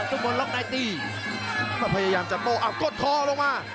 ทุ่งมนหลอกนายตีพยายามจะโตอพกดคอลงมา